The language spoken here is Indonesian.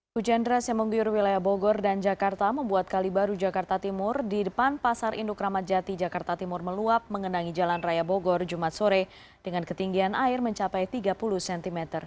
hujan deras yang mengguyur wilayah bogor dan jakarta membuat kali baru jakarta timur di depan pasar induk ramadjati jakarta timur meluap mengenangi jalan raya bogor jumat sore dengan ketinggian air mencapai tiga puluh cm